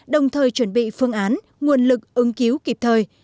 đồng thời chuẩn bị phương án nguồn lực ứng cứu kịp thời